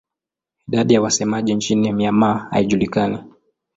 Idadi ya wasemaji nchini Myanmar haijulikani.